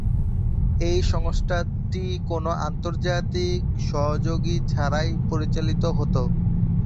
এই সংস্থাটি কোন আন্তর্জাতিক সহযোগী ছাড়াই পরিচালিত হতো।